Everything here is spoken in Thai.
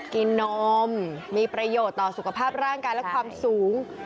นมมีประโยชน์ต่อสุขภาพร่างกายและความสูง